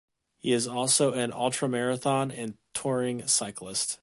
He is also an ultra-marathon and touring cyclist.